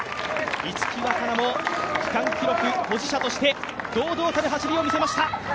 逸木和香菜も区間記録保持者として堂々たる走りを見せました。